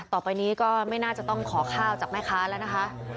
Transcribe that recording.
ต่อไปนี้ก็ไม่น่าจะต้องขอข้าวจากแม่ค้าแล้วนะคะ